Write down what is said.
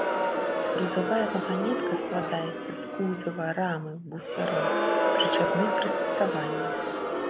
Грузавая ваганетка складаецца з кузава, рамы, буфераў і прычапных прыстасаванняў.